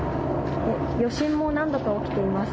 余震も何度か起きています。